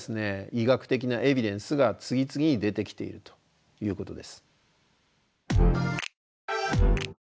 医学的なエビデンスが次々に出てきているということです。